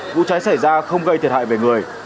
vụ cháy xảy ra không gây thiệt hại về người